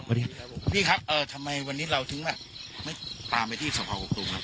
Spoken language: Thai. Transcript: สวัสดีครับพี่ครับเอ่อทำไมวันนี้เราถึงไม่ตามไปที่สพกกตูม